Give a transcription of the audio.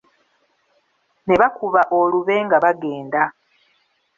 Ne bakuba olube nga bagenda.